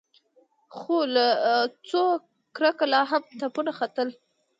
خو له سوکړکه لا هم تپونه ختل.